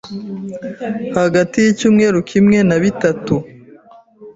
hagati y’icyumweru kimwe na nabitatu.